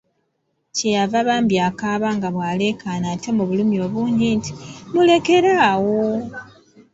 Kye yava bambi akaaba nga bw'aleekaana ate mu bulumi obungi nti, mulekere awo!